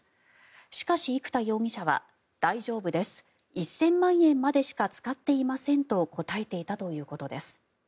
しかし、生田容疑者は大丈夫です１０００万円までしか使っていませんと答えていたということです。